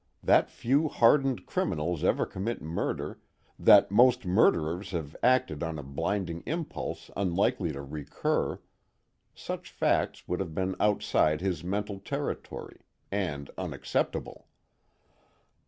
That few hardened criminals ever commit murder, that most murderers have acted on a blinding impulse unlikely to recur such facts would have been outside his mental territory, and unacceptable.